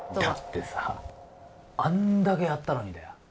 だってさあんだけやったのにだよ